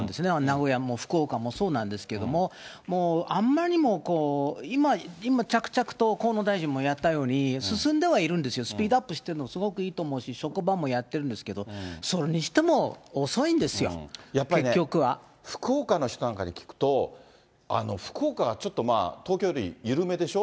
名古屋も、福岡もそうなんですけど、もう、あんまりにも、今、着々と河野大臣もやったように、進んではいるんですよ。スピードアップしてるの、すごくいいと思うんですけど、職場もやってるんですけど、それにしてもやっぱり福岡の人なんかに聞くと、福岡がちょっと、東京より緩めでしょ。